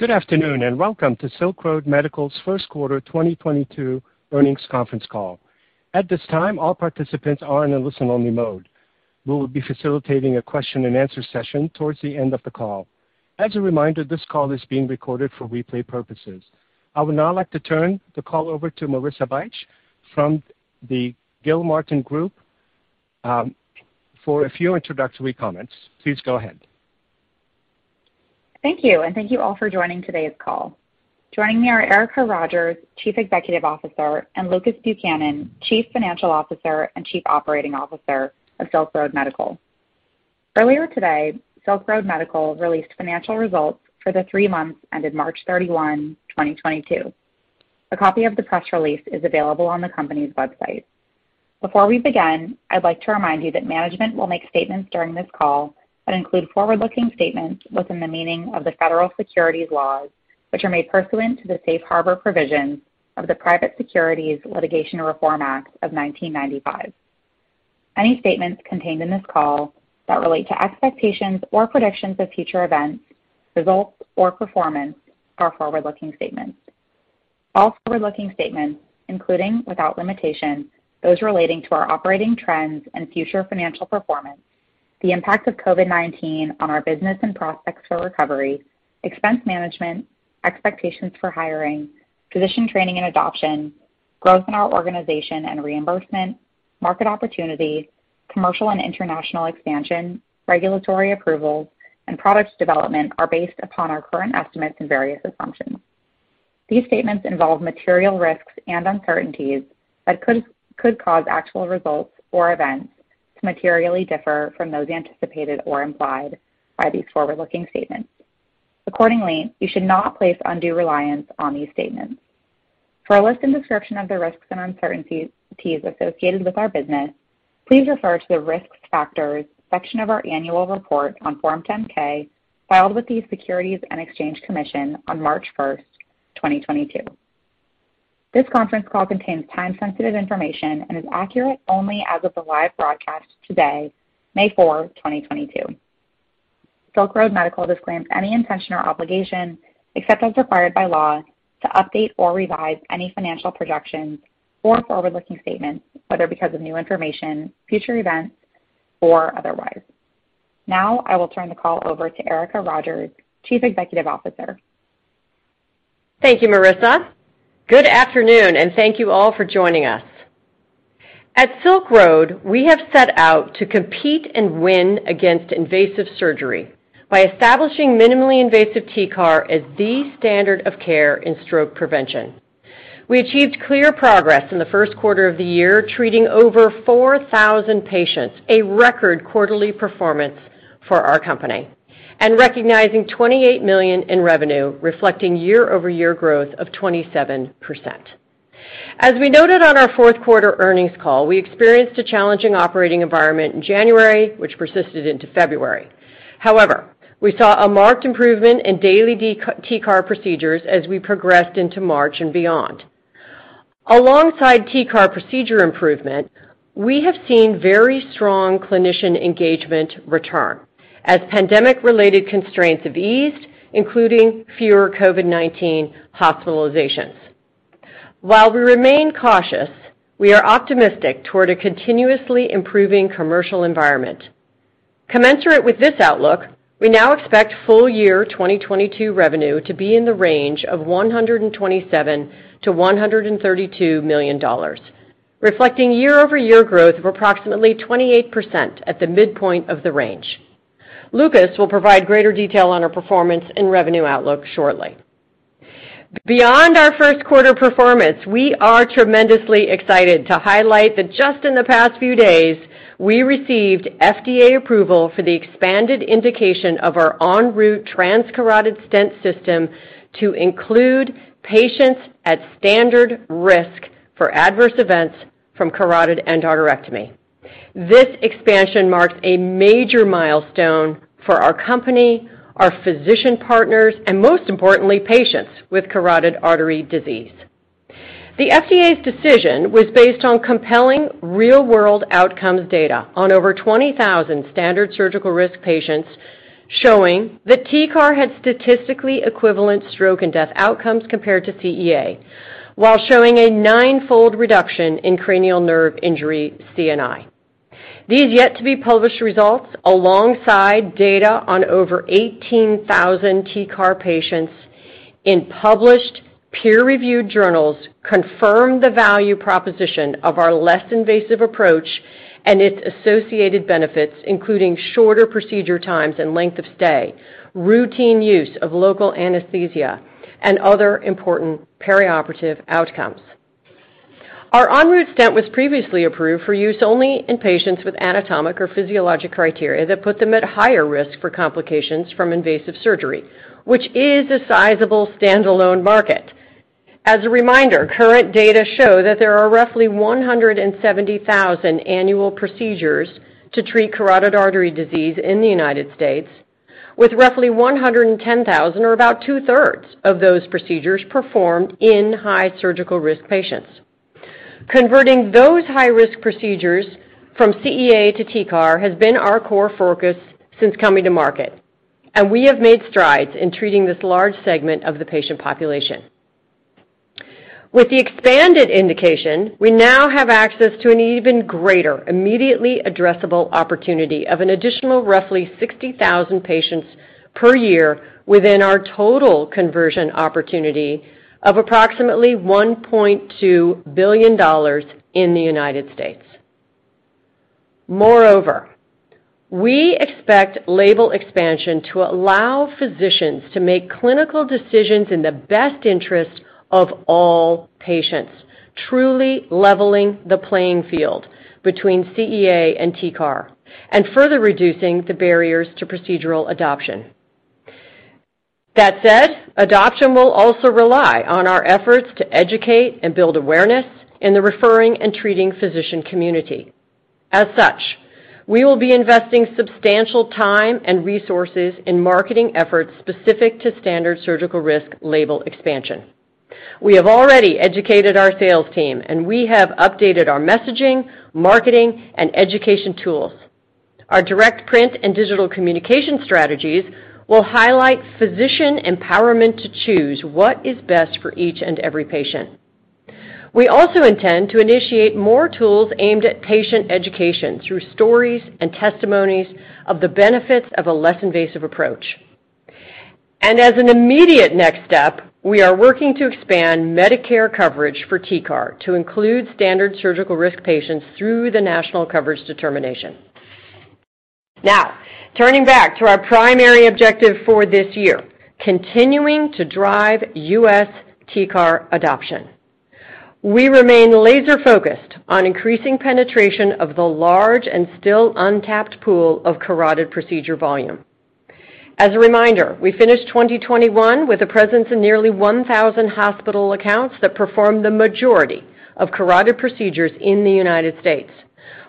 Good afternoon, and welcome to Silk Road Medical's first quarter 2022 earnings conference call. At this time, all participants are in a listen-only mode. We will be facilitating a question-and-answer session towards the end of the call. As a reminder, this call is being recorded for replay purposes. I would now like to turn the call over to Marissa Bych from the Gilmartin Group for a few introductory comments. Please go ahead. Thank you, and thank you all for joining today's call. Joining me are Erica Rogers, Chief Executive Officer, and Lucas Buchanan, Chief Financial Officer and Chief Operating Officer of Silk Road Medical. Earlier today, Silk Road Medical released financial results for the three months ended March 31, 2022. A copy of the press release is available on the company's website. Before we begin, I'd like to remind you that management will make statements during this call that include forward-looking statements within the meaning of the federal securities laws, which are made pursuant to the Safe Harbor provisions of the Private Securities Litigation Reform Act of 1995. Any statements contained in this call that relate to expectations or predictions of future events, results, or performance are forward-looking statements. All forward-looking statements, including, without limitation, those relating to our operating trends and future financial performance, the impact of COVID-19 on our business and prospects for recovery, expense management, expectations for hiring, physician training and adoption, growth in our organization and reimbursement, market opportunity, commercial and international expansion, regulatory approvals, and product development are based upon our current estimates and various assumptions. These statements involve material risks and uncertainties that could cause actual results or events to materially differ from those anticipated or implied by these forward-looking statements. Accordingly, you should not place undue reliance on these statements. For a list and description of the risks and uncertainties associated with our business, please refer to the Risk Factors section of our annual report on Form 10-K, filed with the Securities and Exchange Commission on March 1st, 2022. This conference call contains time-sensitive information and is accurate only as of the live broadcast today, May 4, 2022. Silk Road Medical disclaims any intention or obligation, except as required by law, to update or revise any financial projections or forward-looking statements, whether because of new information, future events, or otherwise. Now I will turn the call over to Erica Rogers, Chief Executive Officer. Thank you, Marissa. Good afternoon, and thank you all for joining us. At Silk Road, we have set out to compete and win against invasive surgery by establishing minimally invasive TCAR as the standard of care in stroke prevention. We achieved clear progress in the first quarter of the year, treating over 4,000 patients, a record quarterly performance for our company, and recognizing $28 million in revenue, reflecting year-over-year growth of 27%. As we noted on our fourth quarter earnings call, we experienced a challenging operating environment in January, which persisted into February. However, we saw a marked improvement in daily TCAR procedures as we progressed into March and beyond. Alongside TCAR procedure improvement, we have seen very strong clinician engagement return as pandemic-related constraints have eased, including fewer COVID-19 hospitalizations. While we remain cautious, we are optimistic toward a continuously improving commercial environment. Commensurate with this outlook, we now expect full year 2022 revenue to be in the range of $127 million-$132 million, reflecting year-over-year growth of approximately 28% at the midpoint of the range. Lucas will provide greater detail on our performance and revenue outlook shortly. Beyond our first quarter performance, we are tremendously excited to highlight that just in the past few days, we received FDA approval for the expanded indication of our ENROUTE Transcarotid Stent System to include patients at standard risk for adverse events from carotid endarterectomy. This expansion marks a major milestone for our company, our physician partners, and most importantly, patients with carotid artery disease. The FDA's decision was based on compelling real-world outcomes data on over 20,000 standard surgical risk patients showing that TCAR had statistically equivalent stroke and death outcomes compared to CEA, while showing a nine-fold reduction in cranial nerve injury, CNI. These yet-to-be-published results, alongside data on over 18,000 TCAR patients in published peer-reviewed journals, confirm the value proposition of our less invasive approach and its associated benefits, including shorter procedure times and length of stay, routine use of local anesthesia, and other important perioperative outcomes. Our ENROUTE Stent was previously approved for use only in patients with anatomic or physiologic criteria that put them at higher risk for complications from invasive surgery, which is a sizable standalone market. As a reminder, current data show that there are roughly 170,000 annual procedures to treat carotid artery disease in the United States, with roughly 110,000, or about 2/3 of those procedures performed in high surgical risk patients. Converting those high-risk procedures from CEA to TCAR has been our core focus since coming to market, and we have made strides in treating this large segment of the patient population. With the expanded indication, we now have access to an even greater immediately addressable opportunity of an additional roughly 60,000 patients per year within our total conversion opportunity of approximately $1.2 billion in the United States. Moreover, we expect label expansion to allow physicians to make clinical decisions in the best interest of all patients, truly leveling the playing field between CEA and TCAR, and further reducing the barriers to procedural adoption. That said, adoption will also rely on our efforts to educate and build awareness in the referring and treating physician community. As such, we will be investing substantial time and resources in marketing efforts specific to standard surgical risk label expansion. We have already educated our sales team, and we have updated our messaging, marketing, and education tools. Our direct print and digital communication strategies will highlight physician empowerment to choose what is best for each and every patient. We also intend to initiate more tools aimed at patient education through stories and testimonies of the benefits of a less invasive approach. As an immediate next step, we are working to expand Medicare coverage for TCAR to include standard surgical risk patients through the national coverage determination. Now, turning back to our primary objective for this year, continuing to drive US TCAR adoption. We remain laser-focused on increasing penetration of the large and still untapped pool of carotid procedure volume. As a reminder, we finished 2021 with a presence in nearly 1,000 hospital accounts that perform the majority of carotid procedures in the United States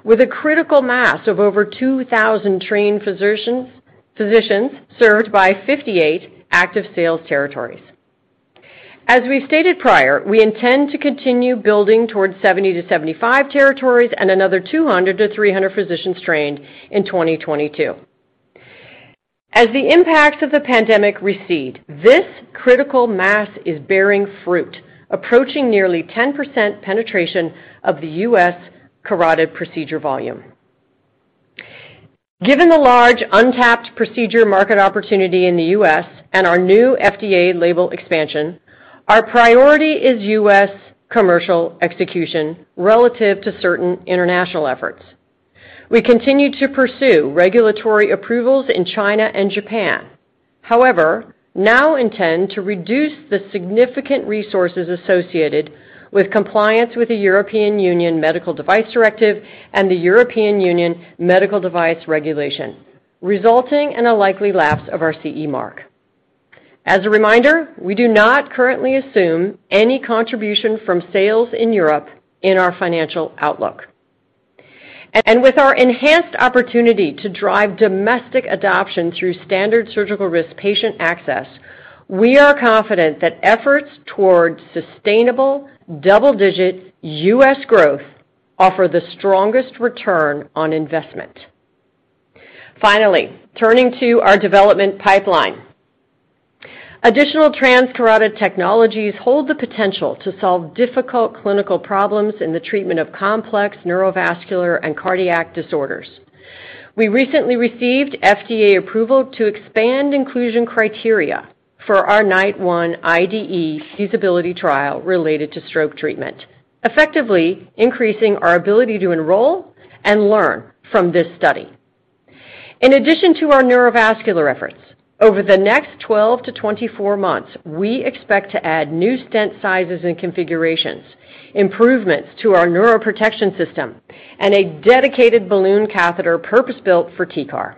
with a critical mass of over 2,000 trained physicians served by 58 active sales territories. As we've stated prior, we intend to continue building towards 70-75 territories and another 200-300 physicians trained in 2022. As the impacts of the pandemic recede, this critical mass is bearing fruit, approaching nearly 10% penetration of the US carotid procedure volume. Given the large untapped procedure market opportunity in the U.S. and our new FDA label expansion, our priority is US commercial execution relative to certain international efforts. We continue to pursue regulatory approvals in China and Japan. However, now intend to reduce the significant resources associated with compliance with the European Union Medical Device Directive and the European Union Medical Device Regulation, resulting in a likely lapse of our CE mark. As a reminder, we do not currently assume any contribution from sales in Europe in our financial outlook. With our enhanced opportunity to drive domestic adoption through standard surgical risk patient access, we are confident that efforts towards sustainable double-digit US growth offer the strongest return on investment. Finally, turning to our development pipeline. Additional transcarotid technologies hold the potential to solve difficult clinical problems in the treatment of complex neurovascular and cardiac disorders. We recently received FDA approval to expand inclusion criteria for our NITE-1 IDE feasibility trial related to stroke treatment, effectively increasing our ability to enroll and learn from this study. In addition to our neurovascular efforts, over the next 12-24 months, we expect to add new stent sizes and configurations, improvements to our neuroprotection system, and a dedicated balloon catheter purpose-built for TCAR.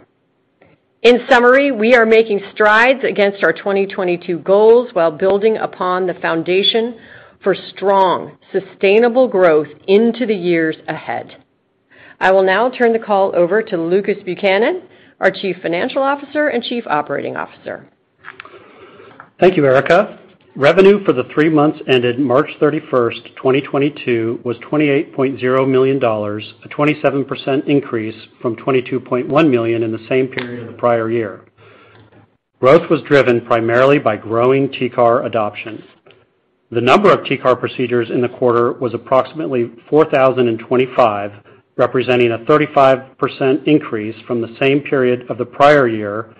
In summary, we are making strides against our 2022 goals while building upon the foundation for strong, sustainable growth into the years ahead. I will now turn the call over to Lucas Buchanan, our Chief Financial Officer and Chief Operating Officer. Thank you, Erica. Revenue for the three months ended March 31st, 2022 was $28.0 million, a 27% increase from $22.1 million in the same period of the prior year. Growth was driven primarily by growing TCAR adoption. The number of TCAR procedures in the quarter was approximately 4,025, representing a 35% increase from the same period of the prior year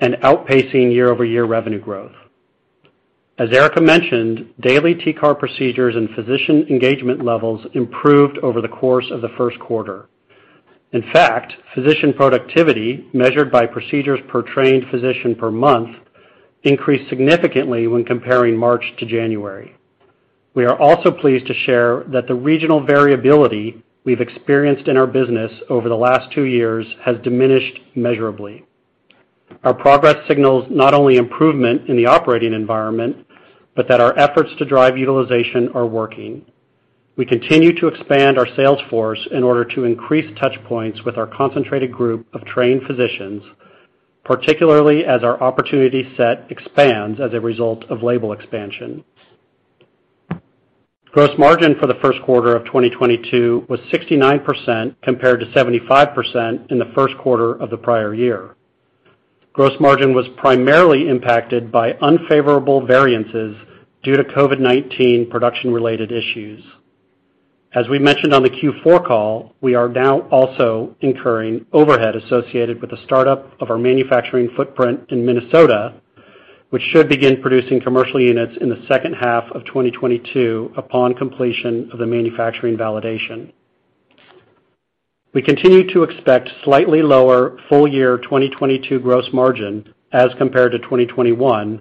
and outpacing year-over-year revenue growth. As Erica mentioned, daily TCAR procedures and physician engagement levels improved over the course of the first quarter. In fact, physician productivity measured by procedures per trained physician per month increased significantly when comparing March to January. We are also pleased to share that the regional variability we've experienced in our business over the last two years has diminished measurably. Our progress signals not only improvement in the operating environment, but that our efforts to drive utilization are working. We continue to expand our sales force in order to increase touch points with our concentrated group of trained physicians particularly as our opportunity set expands as a result of label expansion. Gross margin for the first quarter of 2022 was 69% compared to 75% in the first quarter of the prior year. Gross margin was primarily impacted by unfavorable variances due to COVID-19 production-related issues. As we mentioned on the Q4 call, we are now also incurring overhead associated with the startup of our manufacturing footprint in Minnesota, which should begin producing commercial units in the second half of 2022 upon completion of the manufacturing validation. We continue to expect slightly lower full year 2022 gross margin as compared to 2021,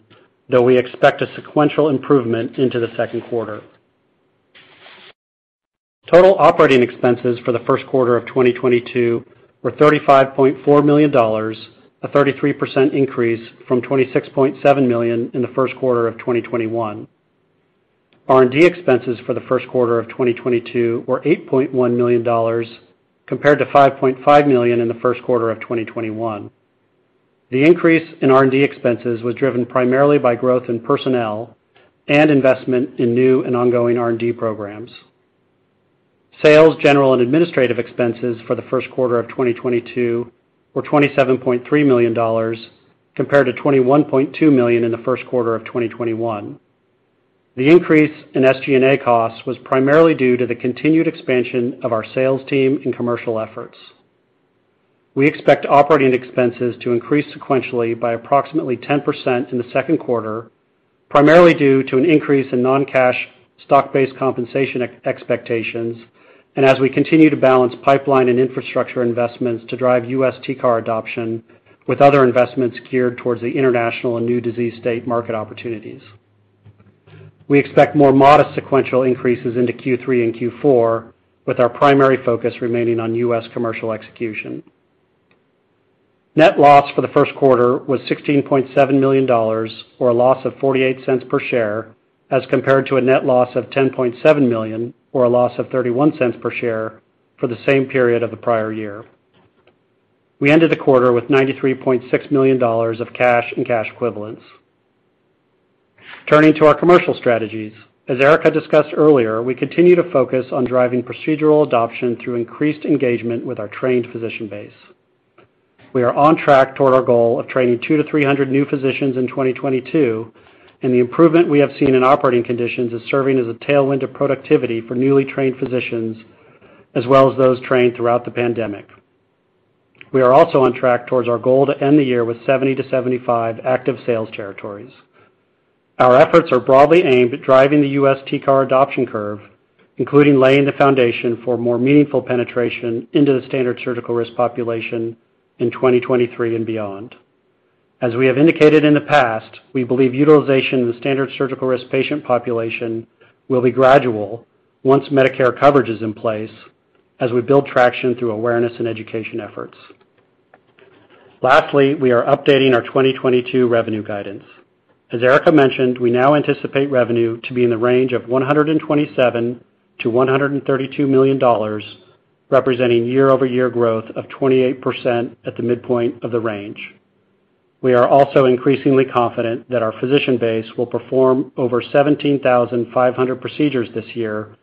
though we expect a sequential improvement into the second quarter. Total operating expenses for the first quarter of 2022 were $35.4 million, a 33% increase from $26.7 million in the first quarter of 2021. R&D expenses for the first quarter of 2022 were $8.1 million compared to $5.5 million in the first quarter of 2021. The increase in R&D expenses was driven primarily by growth in personnel, and investment in new and ongoing R&D programs. Sales, general, and administrative expenses for the first quarter of 2022 were $27.3 million compared to $21.2 million in the first quarter of 2021. The increase in SG&A costs was primarily due to the continued expansion of our sales team and commercial efforts. We expect operating expenses to increase sequentially by approximately 10% in the second quarter, primarily due to an increase in non-cash stock-based compensation expectations and as we continue to balance pipeline and infrastructure investments to drive U.S. TCAR adoption, with other investments geared towards the international and new disease state market opportunities. We expect more modest sequential increases into Q3 and Q4, with our primary focus remaining on U.S. commercial execution. Net loss for the first quarter was $16.7 million, or a loss of $0.48 per share, as compared to a net loss of $10.7 million, or a loss of $0.31 per share, for the same period of the prior year. We ended the quarter with $93.6 million of cash and cash equivalents. Turning to our commercial strategies. As Erica discussed earlier, we continue to focus on driving procedural adoption through increased engagement with our trained physician base. We are on track toward our goal of training 200-300 new physicians in 2022, and the improvement we have seen in operating conditions is serving as a tailwind of productivity for newly trained physicians, as well as those trained throughout the pandemic. We are also on track towards our goal to end the year with 70-75 active sales territories. Our efforts are broadly aimed at driving the US TCAR adoption curve, including laying the foundation for more meaningful penetration into the standard surgical risk population in 2023 and beyond. As we have indicated in the past, we believe utilization in the standard surgical risk patient population will be gradual once Medicare coverage is in place as we build traction through awareness and education efforts. Lastly, we are updating our 2022 revenue guidance. As Erica mentioned, we now anticipate revenue to be in the range of $127 million-$132 million, representing year-over-year growth of 28% at the midpoint of the range. We are also increasingly confident that our physician base will perform over 17,500 procedures this year,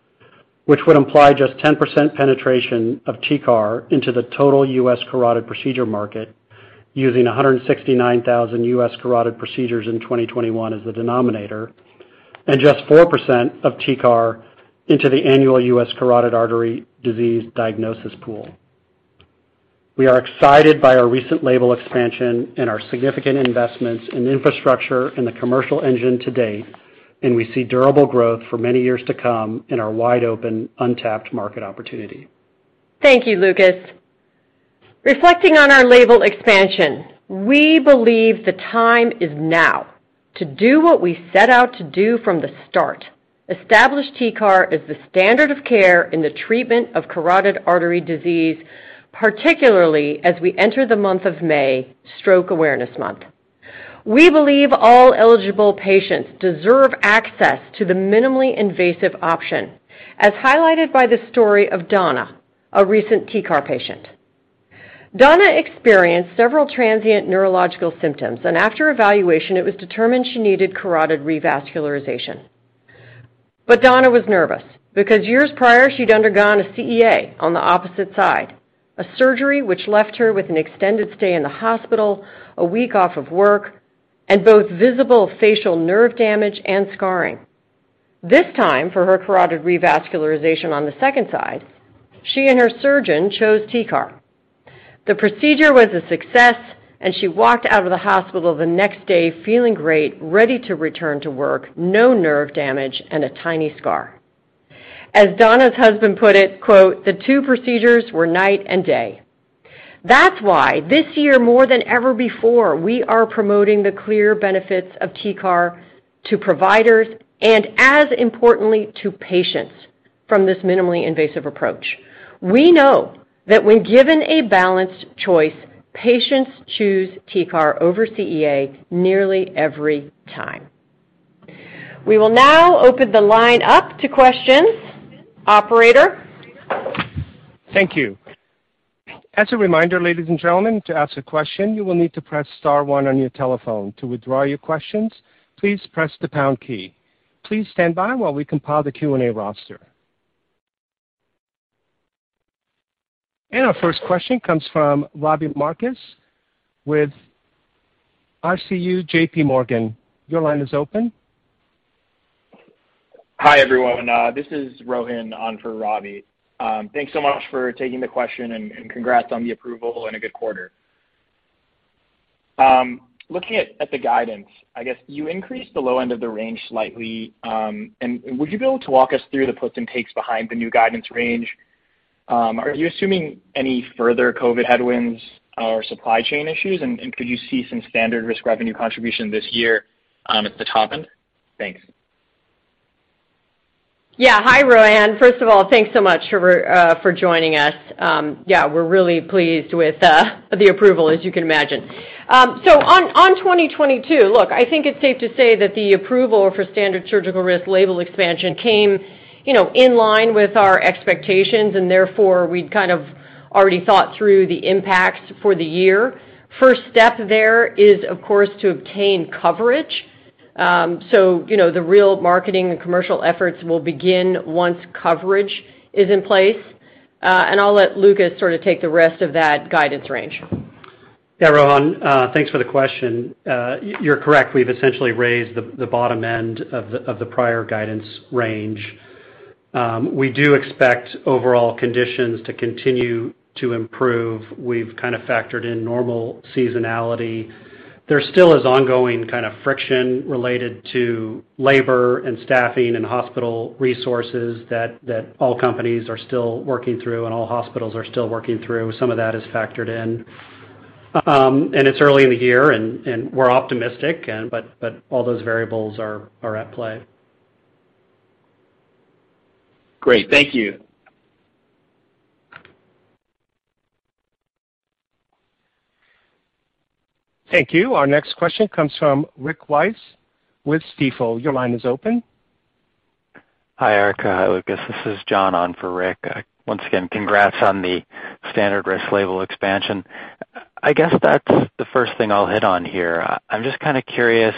which would imply just 10% penetration of TCAR into the total US carotid procedure market, using a 169,000 US carotid procedures in 2021 as the denominator, and just 4% of TCAR into the annual US carotid artery disease diagnosis pool. We are excited by our recent label expansion and our significant investments in infrastructure in the commercial engine to date, and we see durable growth for many years to come in our wide open, untapped market opportunity. Thank you, Lucas. Reflecting on our label expansion, we believe the time is now to do what we set out to do from the start, establish TCAR as the standard of care in the treatment of carotid artery disease, particularly as we enter the month of May, Stroke Awareness Month. We believe all eligible patients deserve access to the minimally invasive option, as highlighted by the story of Donna, a recent TCAR patient. Donna experienced several transient neurological symptoms, and after evaluation, it was determined she needed carotid revascularization. Donna was nervous because years prior, she'd undergone a CEA on the opposite side, a surgery which left her with an extended stay in the hospital, a week off of work, and both visible facial nerve damage and scarring. This time, for her carotid revascularization on the second side, she and her surgeon chose TCAR. The procedure was a success, and she walked out of the hospital the next day feeling great, ready to return to work, no nerve damage, and a tiny scar. As Donna's husband put it, quote, "The two procedures were night and day." That's why this year, more than ever before, we are promoting the clear benefits of TCAR to providers and as importantly to patients from this minimally invasive approach. We know that when given a balanced choice, patients choose TCAR over CEA nearly every time. We will now open the line up to questions. Operator? Thank you. As a reminder, ladies and gentlemen, to ask a question, you will need to press star one on your telephone. To withdraw your questions, please press the pound key. Please stand by while we compile the Q&A roster. Our first question comes from Robbie Marcus with JPMorgan. Your line is open. Hi, everyone. This is Rohan on for Robbie. Thanks so much for taking the question and congrats on the approval and a good quarter. Looking at the guidance, I guess you increased the low end of the range slightly. Would you be able to walk us through the puts and takes behind the new guidance range? Are you assuming any further COVID headwinds or supply chain issues, and could you see some standard risk revenue contribution this year at the top end? Thanks. Yeah. Hi, Rohan. First of all, thanks so much for joining us. Yeah, we're really pleased with the approval, as you can imagine. On 2022, look, I think it's safe to say that the approval for standard surgical risk label expansion came, you know, in line with our expectations, and therefore, we'd kind of already thought through the impacts for the year. First step there is, of course, to obtain coverage. You know, the real marketing and commercial efforts will begin once coverage is in place. I'll let Lucas sort of take the rest of that guidance range. Yeah, Rohan, thanks for the question. You're correct. We've essentially raised the bottom end of the prior guidance range. We do expect overall conditions to continue to improve. We've kind of factored in normal seasonality. There still is ongoing kind of friction related to labor and staffing and hospital resources that all companies are still working through and all hospitals are still working through. Some of that is factored in. It's early in the year, and we're optimistic, but all those variables are at play. Great. Thank you. Thank you. Our next question comes from Rick Wise with Stifel. Your line is open. Hi, Erica. Hi, Lucas. This is John on for Rick. Once again, congrats on the standard risk label expansion. I guess that's the first thing I'll hit on here. I'm just kind of curious,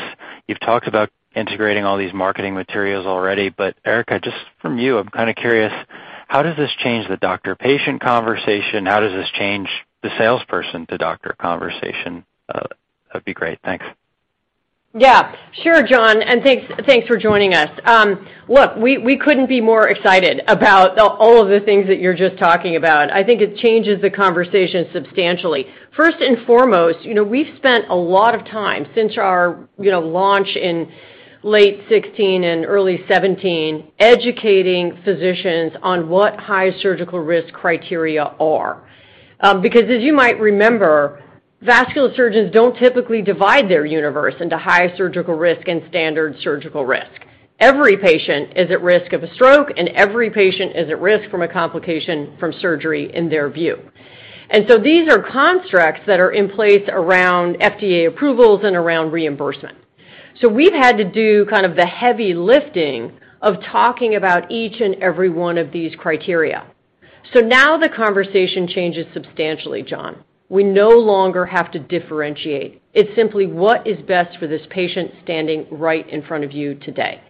you've talked about integrating all these marketing materials already, but Erica, just from you, I'm kind of curious, how does this change the doctor-patient conversation? How does this change the salesperson to doctor conversation? That'd be great. Thanks. Yeah. Sure, John, and thanks for joining us. Look, we couldn't be more excited about all of the things that you're just talking about. I think it changes the conversation substantially. First and foremost, you know, we've spent a lot of time since our, you know, launch in late 2016 and early 2017 educating physicians on what high surgical risk criteria are. Because as you might remember, vascular surgeons don't typically divide their universe into high surgical risk and standard surgical risk. Every patient is at risk of a stroke, and every patient is at risk from a complication from surgery in their view. These are constructs that are in place around FDA approvals and around reimbursement. We've had to do kind of the heavy lifting of talking about each and every one of these criteria. Now the conversation changes substantially, John. We no longer have to differentiate. It's simply what is best for this patient standing right in front of you today.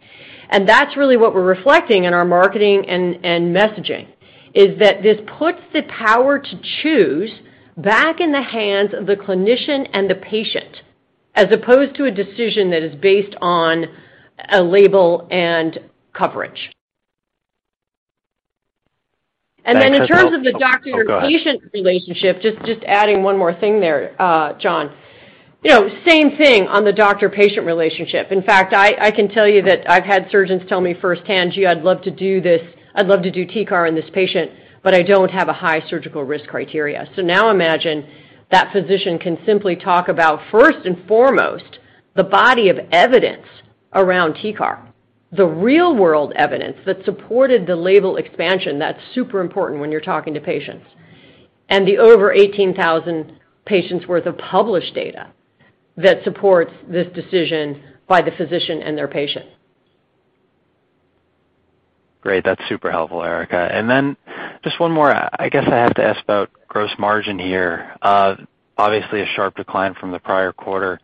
That's really what we're reflecting in our marketing and messaging, is that this puts the power to choose back in the hands of the clinician and the patient as opposed to a decision that is based on a label and coverage. Thanks. That's help. Then in terms of the doctor and patient relationship, just adding one more thing there, John. You know, same thing on the doctor-patient relationship. In fact, I can tell you that I've had surgeons tell me firsthand, "Gee, I'd love to do this. I'd love to do TCAR on this patient, but I don't have a high surgical risk criteria." Now imagine that physician can simply talk about first and foremost, the body of evidence around TCAR, the real-world evidence that supported the label expansion. That's super important when you're talking to patients. The over 18,000 patients worth of published data that supports this decision by the physician and their patient. Great. That's super helpful, Erica. Just one more. I guess I have to ask about gross margin here. Obviously a sharp decline from the prior quarter.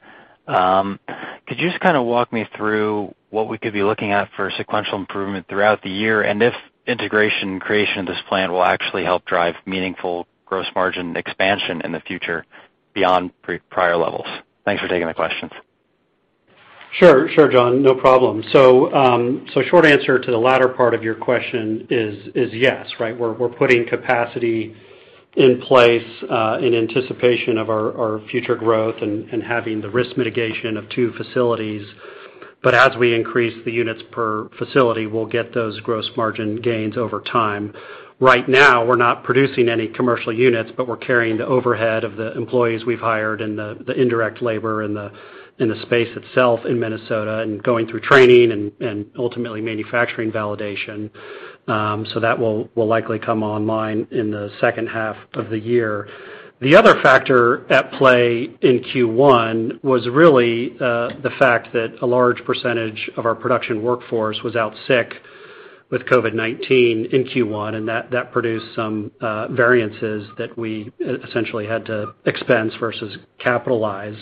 Could you just kind of walk me through what we could be looking at for sequential improvement throughout the year, and if integration and creation of this plan will actually help drive meaningful gross margin expansion in the future beyond pre-prior levels? Thanks for taking the questions. Sure, John. No problem. Short answer to the latter part of your question is yes, right? We're putting capacity in place in anticipation of our future growth and having the risk mitigation of two facilities. As we increase the units per facility, we'll get those gross margin gains over time. Right now, we're not producing any commercial units, but we're carrying the overhead of the employees we've hired and the indirect labor and the space itself in Minnesota, and going through training and ultimately manufacturing validation. That will likely come online in the second half of the year. The other factor at play in Q1 was really the fact that a large percentage of our production workforce was out sick with COVID-19 in Q1, and that produced some variances that we essentially had to expense versus capitalize.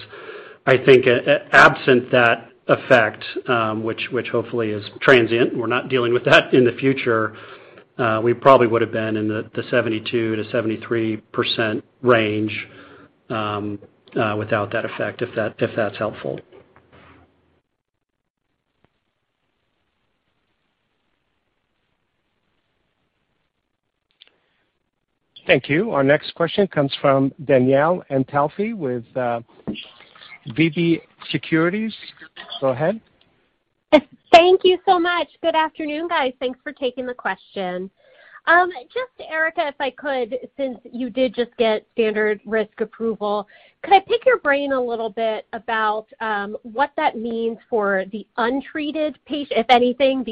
I think absent that effect, which hopefully is transient, we're not dealing with that in the future, we probably would have been in the 72%-73% range without that effect, if that's helpful. Thank you. Our next question comes from Danielle Antalffy with UBS Securities. Go ahead. Thank you so much. Good afternoon, guys. Thanks for taking the question. Just Erica, if I could, since you did just get standard-risk approval, could I pick your brain a little bit about what that means for the untreated patient population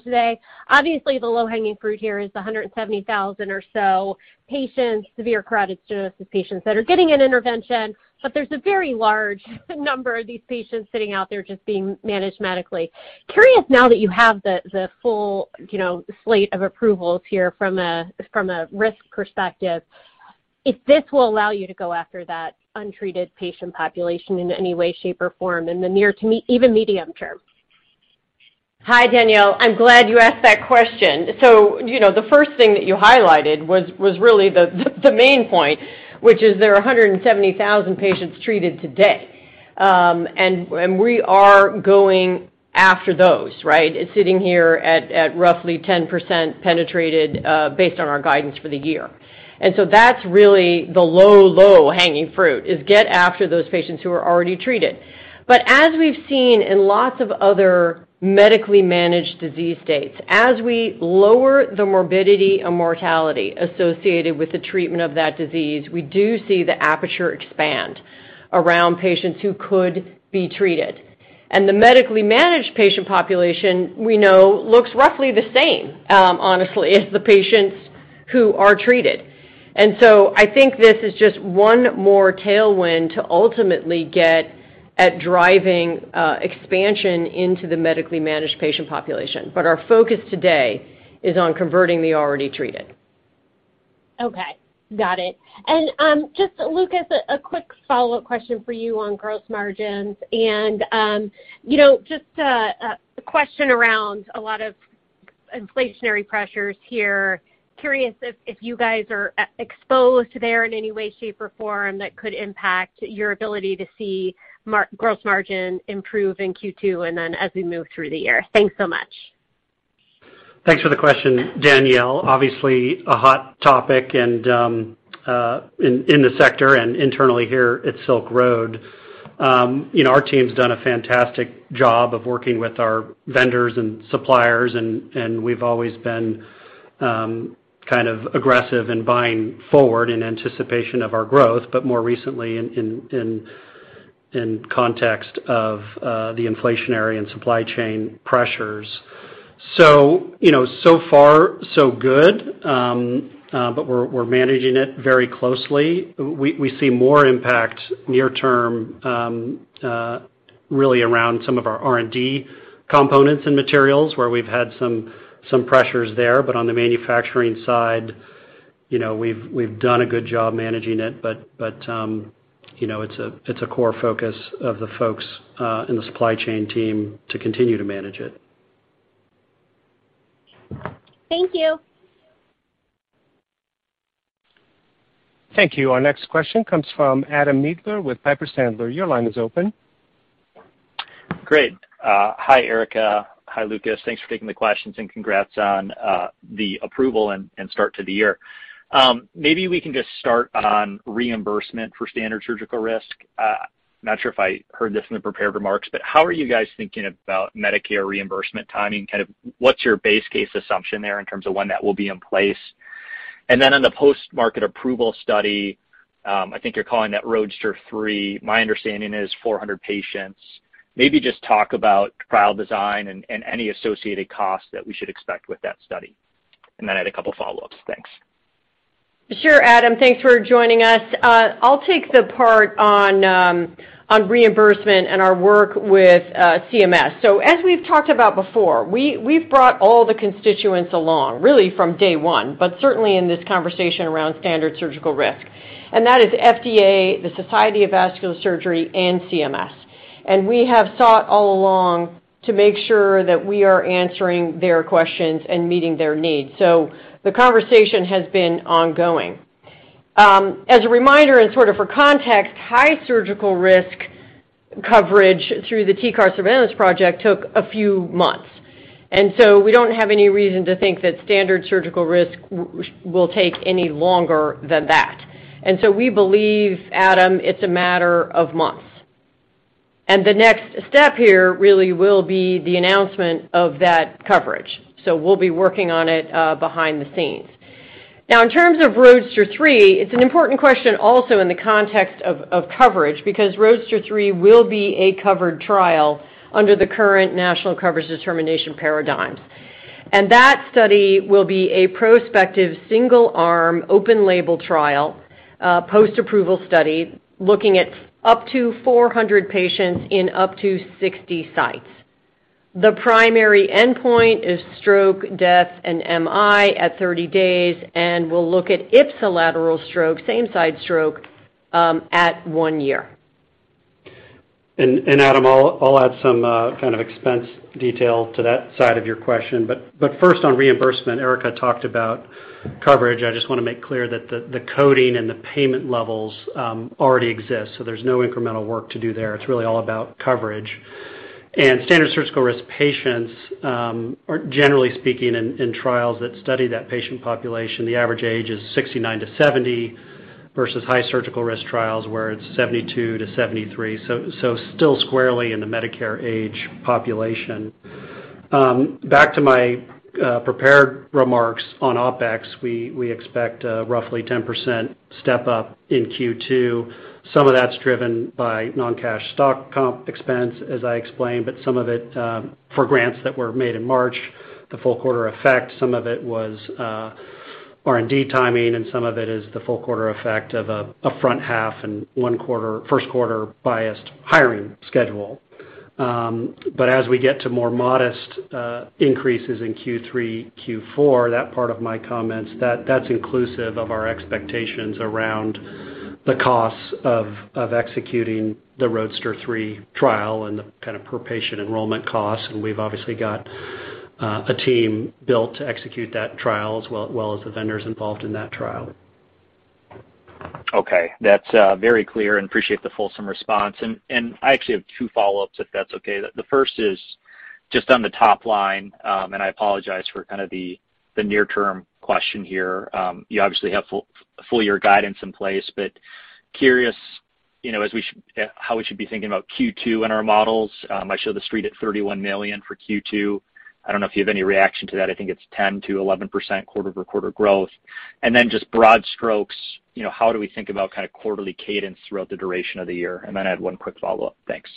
today, if anything? Obviously, the low-hanging fruit here is 170,000 or so patients, severe carotid stenosis patients that are getting an intervention. There's a very large number of these patients sitting out there just being managed medically. Curious now that you have the full, you know, slate of approvals here from a risk perspective, if this will allow you to go after that untreated patient population in any way, shape, or form in the near to even medium term. Hi, Danielle. I'm glad you asked that question. You know, the first thing that you highlighted was really the main point, which is there are 170,000 patients treated today. And we are going after those, right? It's sitting here at roughly 10% penetrated, based on our guidance for the year. That's really the low hanging fruit, is get after those patients who are already treated. As we've seen in lots of other medically managed disease states, as we lower the morbidity and mortality associated with the treatment of that disease, we do see the aperture expand around patients who could be treated. The medically managed patient population, we know looks roughly the same, honestly as the patients who are treated. I think this is just one more tailwind to ultimately get at driving expansion into the medically managed patient population. Our focus today is on converting the already treated. Okay. Got it. Just Lucas, a quick follow-up question for you on gross margins. You know, just a question around a lot of inflationary pressures here. Curious if you guys are exposed there in any way, shape, or form that could impact your ability to see gross margin improve in Q2, and then as we move through the year? Thanks so much. Thanks for the question, Danielle. Obviously, a hot topic and in the sector and internally here at Silk Road. You know, our team's done a fantastic job of working with our vendors and suppliers, and we've always been kind of aggressive in buying forward in anticipation of our growth, but more recently in context of the inflationary and supply chain pressures. You know, so far so good. But we're managing it very closely. We see more impact near term really around some of our R&D components and materials where we've had some pressures there. But on the manufacturing side, you know, we've done a good job managing it. You know, it's a core focus of the folks in the supply chain team to continue to manage it. Thank you. Thank you. Our next question comes from Adam Maeder with Piper Sandler. Your line is open. Great. Hi, Erica. Hi, Lucas. Thanks for taking the questions, and congrats on the approval and start to the year. Maybe we can just start on reimbursement for standard surgical risk. Not sure if I heard this in the prepared remarks, but how are you guys thinking about Medicare reimbursement timing? Kind of what's your base case assumption there in terms of when that will be in place? Then on the post-market approval study, I think you're calling that ROADSTER 3. My understanding is 400 patients. Maybe just talk about trial design, nd any associated costs that we should expect with that study? Then I had a couple of follow-ups. Thanks. Sure, Adam. Thanks for joining us. I'll take the part on reimbursement and our work with CMS. As we've talked about before, we've brought all the constituents along, really from day one, but certainly in this conversation around standard surgical risk. That is FDA, the Society for Vascular Surgery, and CMS. We have sought all along to make sure that we are answering their questions and meeting their needs. The conversation has been ongoing. As a reminder and sort of for context, high surgical risk coverage through the TCAR Surveillance Project took a few months, and so we don't have any reason to think that standard surgical risk will take any longer than that. We believe, Adam, it's a matter of months. The next step here really will be the announcement of that coverage. We'll be working on it behind the scenes. Now, in terms of ROADSTER 3, it's an important question also in the context of coverage, because ROADSTER 3 will be a covered trial under the current national coverage determination paradigm. That study will be a prospective single-arm open label trial, post-approval study looking at up to 400 patients in up to 60 sites. The primary endpoint is stroke, death, and MI at 30 days, and we'll look at ipsilateral stroke, same side stroke, at one year. Adam, I'll add some kind of expense detail to that side of your question. First on reimbursement, Erica talked about coverage. I just wanna make clear that the coding and the payment levels already exist, so there's no incremental work to do there. It's really all about coverage. Standard surgical risk patients are generally speaking in trials that study that patient population. The average age is 69-70 versus high surgical risk trials, where it's 72-73. Still squarely in the Medicare age population. Back to my prepared remarks on OpEx, we expect a roughly 10% step up in Q2. Some of that's driven by non-cash stock comp expense, as I explained, but some of it for grants that were made in March, the full quarter effect. Some of it was R&D timing, and some of it is the full quarter effect of a first quarter biased hiring schedule. As we get to more modest increases in Q3, Q4, that part of my comments, that's inclusive of our expectations around the costs of executing the ROADSTER 3 trial and the kind of per patient enrollment costs. We've obviously got a team built to execute that trial as well as the vendors involved in that trial. Okay. That's very clear and I appreciate the fulsome response. I actually have two follow-ups, if that's okay. The first is just on the top line, and I apologize for kind of the near-term question here. You obviously have full year guidance in place, but I'm curious, you know, how we should be thinking about Q2 in our models? I show the Street at $31 million for Q2. I don't know if you have any reaction to that. I think it's 10%-11% quarter-over-quarter growth. Just broad strokes, you know, how do we think about kind of quarterly cadence throughout the duration of the year? I had one quick follow-up. Thanks.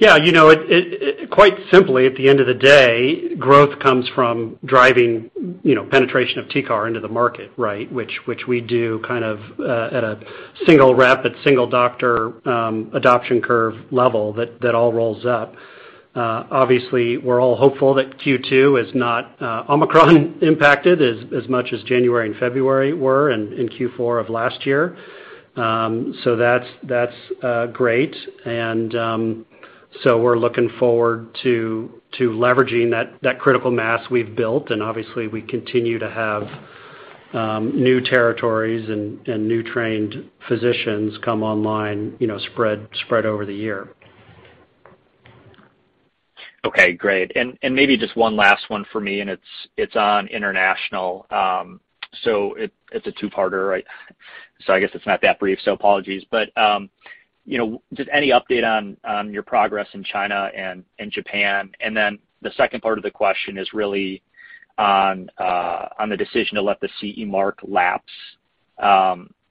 Yeah. You know, it quite simply, at the end of the day, growth comes from driving, you know, penetration of TCAR into the market, right? Which we do kind of at a single rapid single doctor adoption curve level that all rolls up. Obviously we're all hopeful that Q2 is not Omicron impacted as much as January and February were in Q4 of last year. That's great. We're looking forward to leveraging that critical mass we've built, and obviously we continue to have new territories and new trained physicians come online, you know, spread over the year. Okay. Great. Maybe just one last one for me, and it's on international. It's a two-parter, right? I guess it's not that brief, so apologies. You know, just any update on your progress in China and in Japan? The second part of the question is really on the decision to let the CE mark lapse.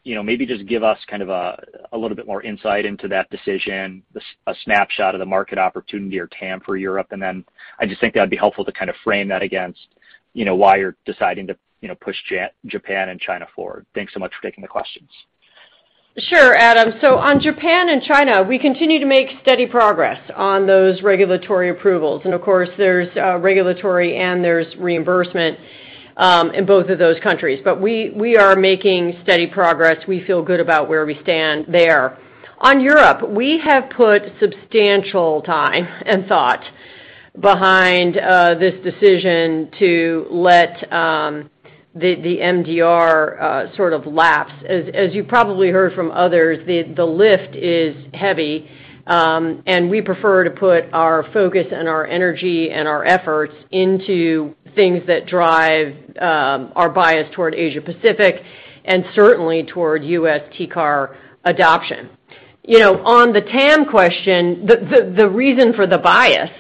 You know, maybe just give us kind of a little bit more insight into that decision, a snapshot of the market opportunity or TAM for Europe. Then I just think that'd be helpful to kind of frame that against, you know, why you're deciding to, you know, push Japan and China forward? Thanks so much for taking the questions. Sure, Adam. On Japan and China, we continue to make steady progress on those regulatory approvals. Of course, there's regulatory and reimbursement in both of those countries. We are making steady progress. We feel good about where we stand there. On Europe, we have put substantial time and thought behind this decision to let the MDR sort of lapse. As you probably heard from others, the lift is heavy and we prefer to put our focus and our energy and our efforts into things that drive our bias toward Asia Pacific and certainly toward US TCAR adoption. You know, on the TAM question, the reason for the bias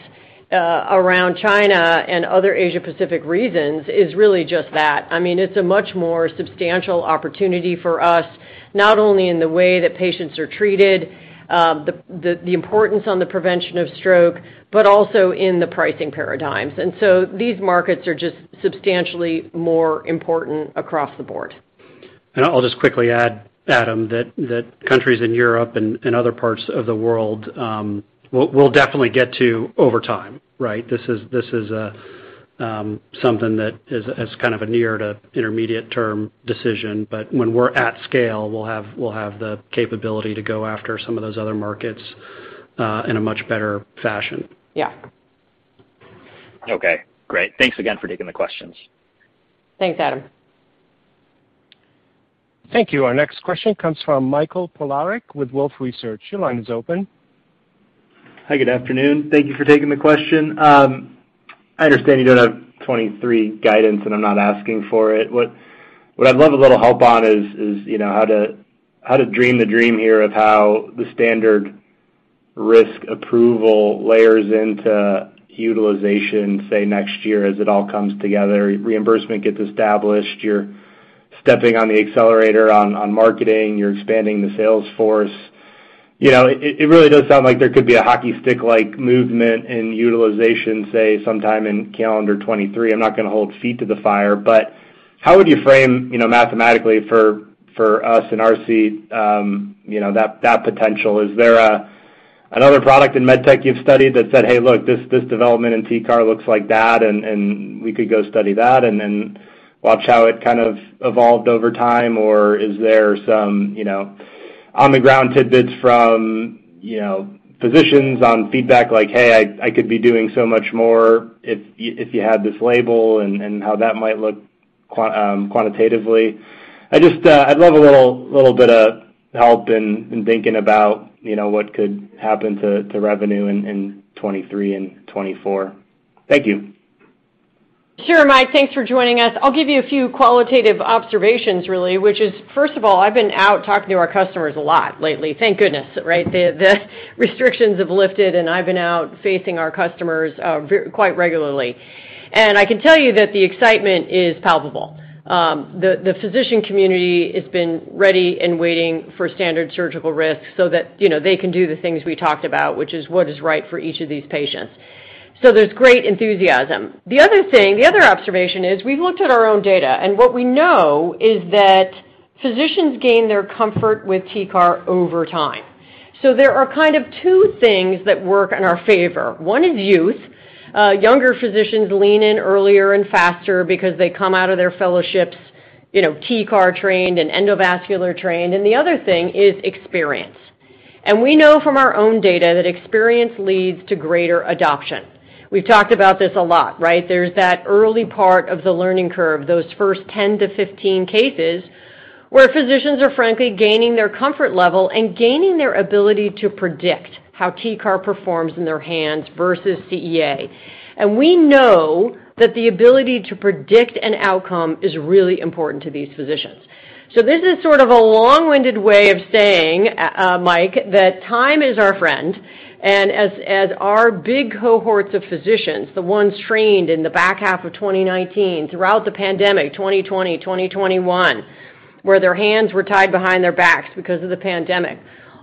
around China and other Asia Pacific regions is really just that. I mean, it's a much more substantial opportunity for us, not only in the way that patients are treated, the importance on the prevention of stroke, but also in the pricing paradigms. These markets are just substantially more important across the board. I'll just quickly add, Adam, that countries in Europe and other parts of the world, we'll definitely get to over time, right? This is something that is kind of a near to intermediate term decision. But when we're at scale, we'll have the capability to go after some of those other markets in a much better fashion. Yeah. Okay, great. Thanks again for taking the questions. Thanks, Adam. Thank you. Our next question comes from Michael Polark with Wolfe Research. Your line is open. Hi, good afternoon. Thank you for taking the question. I understand you don't have 2023 guidance, and I'm not asking for it. What I'd love a little help on is, you know, how to dream the dream here of how the standard risk approval layers into utilization, say, next year as it all comes together? Reimbursement gets established, you're stepping on the accelerator on marketing, you're expanding the sales force. You know, it really does sound like there could be a hockey stick-like movement in utilization, say, sometime in calendar 2023. I'm not gonna hold feet to the fire, but how would you frame, you know, mathematically for us in our seat, you know, that potential? Is there another product in med tech you've studied that said, "Hey, look, this development in TCAR looks like that, and we could go study that," and then watch how it kind of evolved over time? Or is there some, you know, on-the-ground tidbits from, you know, physicians on feedback like, "Hey, I could be doing so much more if you had this label," and how that might look quantitatively. I just, I'd love a little bit of help in thinking about, you know, what could happen to revenue in 2023 and 2024. Thank you. Sure, Mike. Thanks for joining us. I'll give you a few qualitative observations really, which is, first of all, I've been out talking to our customers a lot lately. Thank goodness, right? The restrictions have lifted, and I've been out facing our customers quite regularly. I can tell you that the excitement is palpable. The physician community has been ready and waiting for standard surgical risk so that, you know, they can do the things we talked about, which is what is right for each of these patients. There's great enthusiasm. The other thing, the other observation is we've looked at our own data, and what we know is that physicians gain their comfort with TCAR over time. There are kind of two things that work in our favor. One is youth. Younger physicians lean in earlier and faster because they come out of their fellowships, you know, TCAR-trained and endovascular-trained. The other thing is experience. We know from our own data that experience leads to greater adoption. We've talked about this a lot, right? There's that early part of the learning curve, those first 10-15 cases where physicians are frankly gaining their comfort level and gaining their ability to predict how TCAR performs in their hands versus CEA. We know that the ability to predict an outcome is really important to these physicians. This is sort of a long-winded way of saying, Mike, that time is our friend. As our big cohorts of physicians, the ones trained in the back half of 2019, throughout the pandemic, 2020, 2021, where their hands were tied behind their backs because of the pandemic,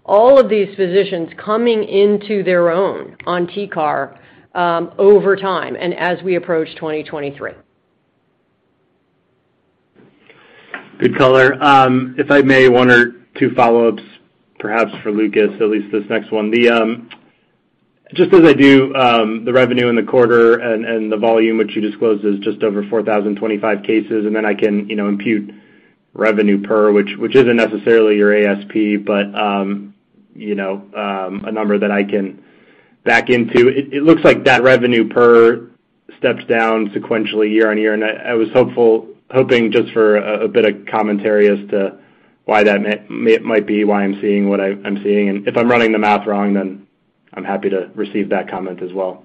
all of these physicians coming into their own on TCAR, over time and as we approach 2023. Good color. If I may, one or two follow-ups, perhaps for Lucas, at least this next one. The just as I do the revenue in the quarter and the volume, which you disclosed, is just over 4,025 cases, and then I can, you know, impute revenue per, which isn't necessarily your ASP, but, you know, a number that I can back into. It looks like that revenue per steps down sequentially year-over-year, and I was hoping just for a bit of commentary as to why that might be why I'm seeing what I'm seeing. If I'm running the math wrong, then I'm happy to receive that comment as well.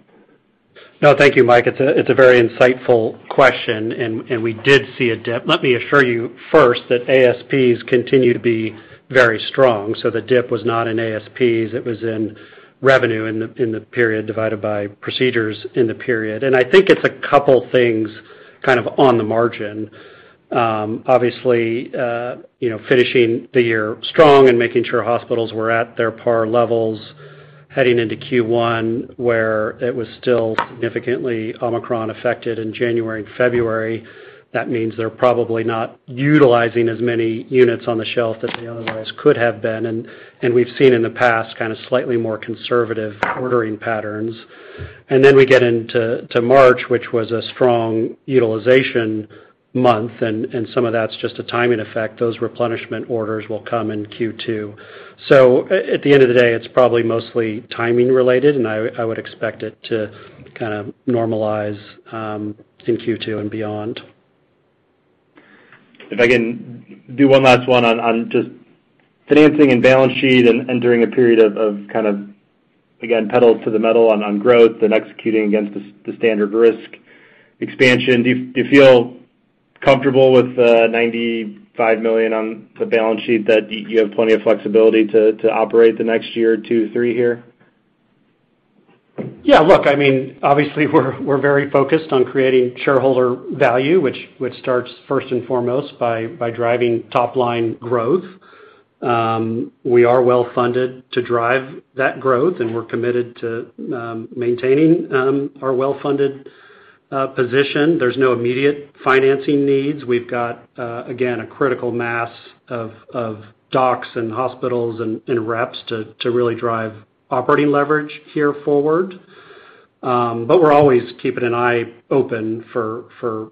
No, thank you, Mike. It's a very insightful question, and we did see a dip. Let me assure you first that ASPs continue to be very strong. The dip was not in ASPs. It was in revenue in the period divided by procedures in the period. I think it's a couple things kind of on the margin. Obviously, you know, finishing the year strong and making sure hospitals were at their par levels heading into Q1, where it was still significantly Omicron affected in January and February. That means they're probably not utilizing as many units on the shelf that they otherwise could have been. We've seen in the past kind of slightly more conservative ordering patterns. Then we get into March, which was a strong utilization month, and some of that's just a timing effect. Those replenishment orders will come in Q2. At the end of the day, it's probably mostly timing related, and I would expect it to kind of normalize in Q2 and beyond. If I can do one last one on just financing and balance sheet, and during a period of kind of again pedal to the metal on growth and executing against the standard risk expansion. Do you feel comfortable with the $95 million on the balance sheet that you have plenty of flexibility to operate the next year or two, three here? Yeah. Look, I mean, obviously we're very focused on creating shareholder value, which starts first and foremost by driving top line growth. We are well funded to drive that growth, and we're committed to maintaining our well-funded position. There's no immediate financing needs. We've got again a critical mass of docs and hospitals and reps to really drive operating leverage here forward. But we're always keeping an eye open for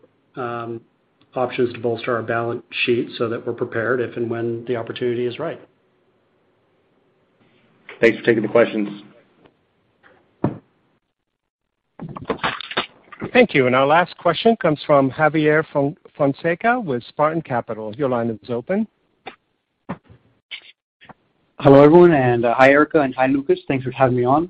options to bolster our balance sheet so that we're prepared if and when the opportunity is right. Thanks for taking the questions. Thank you. Our last question comes from Javier Fonseca with Spartan Capital. Your line is open. Hello, everyone. Hi Erica and hi Lucas. Thanks for having me on.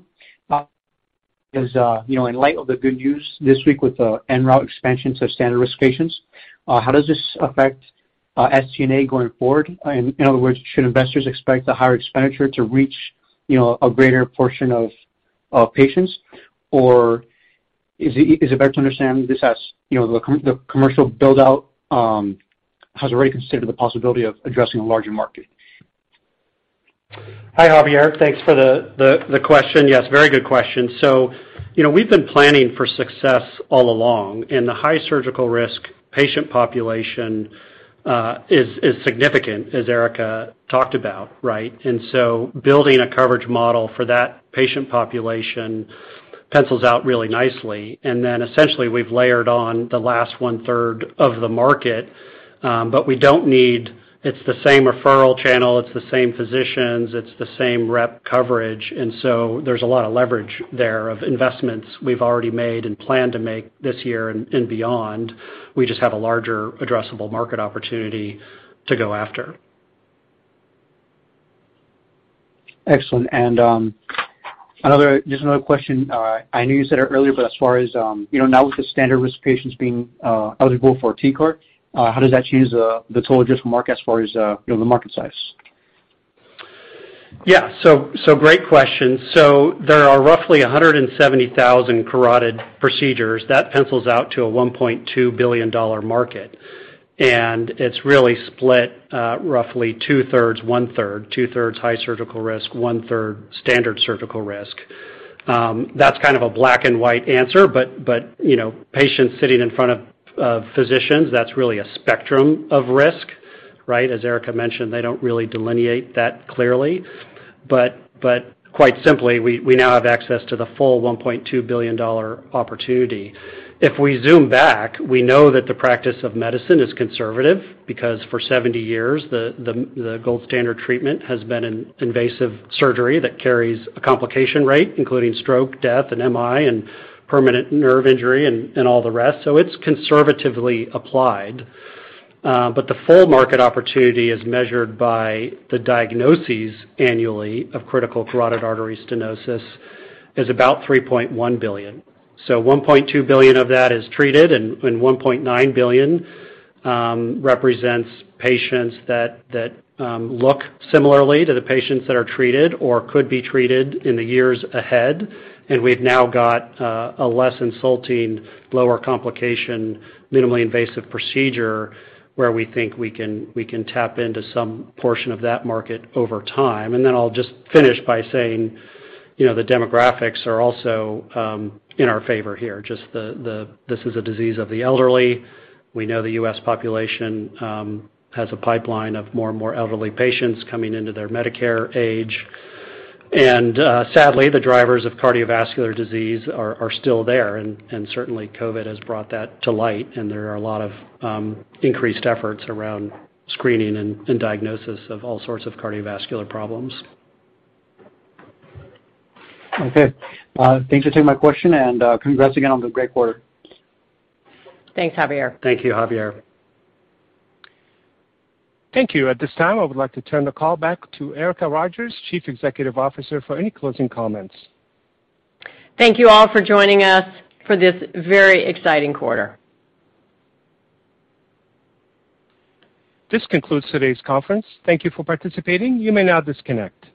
As you know, in light of the good news this week with the ENROUTE expansions of standard risk patients, how does this affect SG&A going forward? In other words, should investors expect the higher expenditure to reach, you know, a greater portion of patients? Or is it better to understand this as, you know, the commercial build-out? Has already considered the possibility of addressing a larger market. Hi, Javier. Thanks for the question. Yes, very good question. You know, we've been planning for success all along. The high surgical risk patient population is significant, as Erica talked about, right? Building a coverage model for that patient population pencils out really nicely. Essentially, we've layered on the last 1/3 of the market, but we don't need. It's the same referral channel, it's the same physicians, it's the same rep coverage, and so there's a lot of leverage there of investments we've already made and plan to make this year and beyond. We just have a larger addressable market opportunity to go after. Excellent. Just another question. I knew you said it earlier, but as far as, you know, now with the standard risk patients being eligible for TCAR. How does that change the total addressable market as far as, you know, the market size? Great question. There are roughly 170,000 carotid procedures. That pencils out to a $1.2 billion market. It's really split, roughly 2/3, 1/3. 2/3 high surgical risk, 1/3 standard surgical risk. That's kind of a black and white answer, but you know, patients sitting in front of physicians, that's really a spectrum of risk, right? As Erica mentioned, they don't really delineate that clearly. Quite simply, we now have access to the full $1.2 billion opportunity. If we zoom back, we know that the practice of medicine is conservative because for 70 years, the gold standard treatment has been an invasive surgery that carries a complication rate, including stroke, death, and MI and permanent nerve injury and all the rest. It's conservatively applied. The full market opportunity is measured by the diagnoses annually of critical carotid artery stenosis, is about $3.1 billion. So $1.2 billion of that is treated and $1.9 billion represents patients that look similarly to the patients that are treated or could be treated in the years ahead. We've now got a less insulting, lower complication, minimally invasive procedure where we think we can tap into some portion of that market over time. Then I'll just finish by saying, you know, the demographics are also in our favor here. Just this is a disease of the elderly. We know the U.S. population has a pipeline of more and more elderly patients coming into their Medicare age. Sadly, the drivers of cardiovascular disease are still there, and certainly COVID has brought that to light, and there are a lot of increased efforts around screening and diagnosis of all sorts of cardiovascular problems. Okay. Thanks for taking my question, and congrats again on the great quarter. Thanks, Javier. Thank you, Javier. Thank you. At this time, I would like to turn the call back to Erica Rogers, Chief Executive Officer, for any closing comments. Thank you all for joining us for this very exciting quarter. This concludes today's conference. Thank you for participating. You may now disconnect.